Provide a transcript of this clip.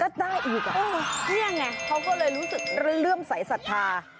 ก็ได้อยู่ก่อนนี่ไงเขาก็เลยรู้สึกเรื่องใสสัตว์ภาพ